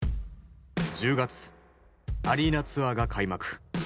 １０月アリーナツアーが開幕。